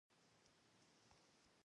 بوډۍ خپلې پښې ور ټولې کړې.